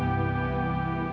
itu karena kw disputaten uang